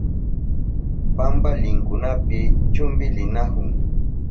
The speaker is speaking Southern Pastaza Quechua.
Pampalinkunapi chumpilinahun.